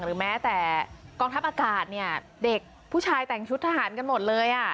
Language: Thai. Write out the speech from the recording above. หรือแม้แต่กองทัพอากาศเนี่ยเด็กผู้ชายแต่งชุดทหารกันหมดเลย